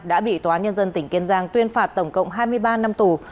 đã bị tòa án nhân dân tỉnh kiên giang tuyên phạt tổng cộng hai mươi ba năm tù